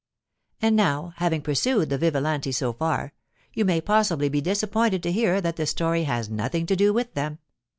And now, having pursued the Vivalanti so far, you may possibly be disappointed to hear that the story has nothing to do with them.